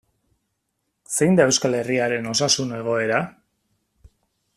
Zein da Euskal Herriaren osasun egoera?